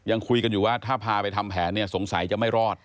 ยังคุยกันอยู่ว่าถ้าพาไปทำแผนเนี่ยสงสัยจะไม่รอด